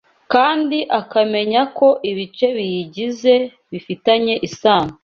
kandi akamenya ko ibice biyigize bifitanye isano